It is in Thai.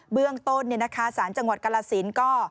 เบื้องต้นในนะคะศาลจังหวัดกรศิลป์ก็